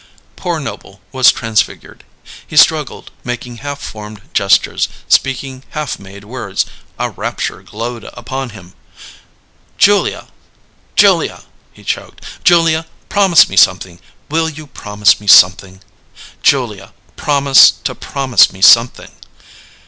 Poor Noble was transfigured. He struggled; making half formed gestures, speaking half made words. A rapture glowed upon him. "Julia Julia " He choked. "Julia, promise me something. Will you promise me something? Julia, promise to promise me something."